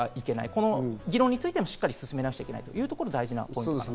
この議論についてもしっかり進めなくちゃいけないというところが大事なポイントだと思います。